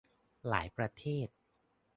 หลายประเทศ